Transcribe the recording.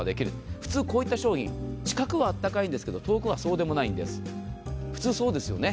普通こういった商品、近くはあったかいんですけど、遠くはそうでもないんです、普通そうですよね。